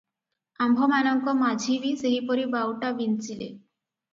ଆମ୍ଭମାନଙ୍କ ମାଝି ବି ସେହିପରି ବାଉଟା ବିଞ୍ଚିଲେ ।